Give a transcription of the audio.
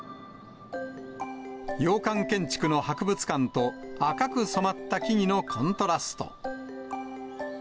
洋館建築の博物館と赤く染まった木々のコントラスト。